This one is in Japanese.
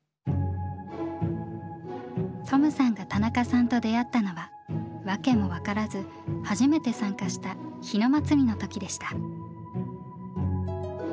トムさんが田中さんと出会ったのは訳も分からず初めて参加した日野祭の時でした。